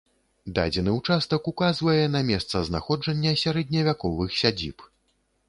Дадзены ўчастак указвае на месца знаходжання сярэдневяковых сядзіб.